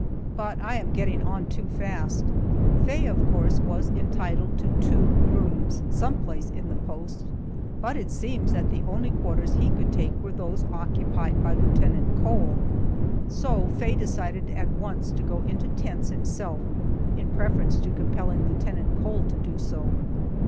But I am getting on too fast. Faye, of course, was entitled to two rooms, some place in the post, but it seems that the only quarters he could take were those occupied by Lieutenant Cole, so Faye decided at once to go into tents himself, in preference to compelling Lieutenant Cole to do so.